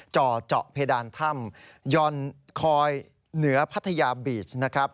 จ่อเจาะเพดานถ้ำย่อนคอยเหนือพัทยาบีชนะครับ